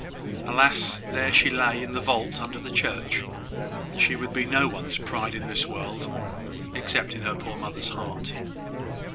Alas! there she lay in the vault under the church; and she would be no one's pride in this world, except in her poor mother's heart.